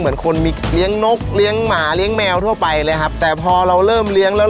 เหมือนคนมีเลี้ยงนกเลี้ยงหมาเลี้ยงแมวทั่วไปเลยครับแต่พอเราเริ่มเลี้ยงแล้ว